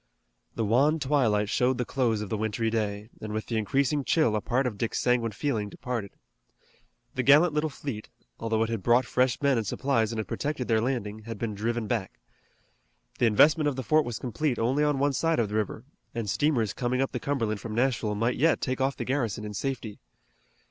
The wan twilight showed the close of the wintry day, and with the increasing chill a part of Dick's sanguine feeling departed. The gallant little fleet, although it had brought fresh men and supplies and had protected their landing, had been driven back. The investment of the fort was complete only on one side of the river, and steamers coming up the Cumberland from Nashville might yet take off the garrison in safety.